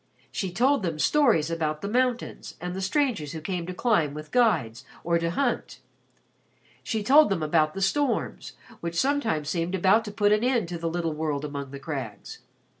She told them stories about the mountains and the strangers who came to climb with guides or to hunt. She told them about the storms, which sometimes seemed about to put an end to the little world among the crags.